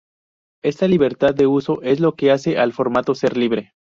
Esta libertad de uso es lo que hace al formato ser libre.